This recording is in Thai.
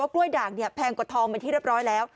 กล้วยด่างเนี่ยแพงกว่าทองเป็นที่เรียบร้อยแล้ว